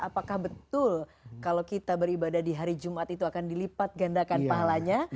apakah betul kalau kita beribadah di hari jumat itu akan dilipat gandakan pahalanya